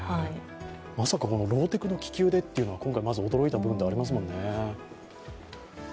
まさかローテクの気球でというのは、驚いた部分でもありますよね。